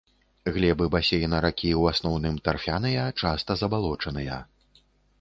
Глебы басейна ракі ў асноўным тарфяныя, часта забалочаныя.